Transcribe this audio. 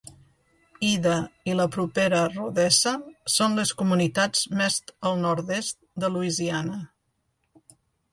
Ida i la propera Rodessa són les comunitats més al nord-est de Louisiana.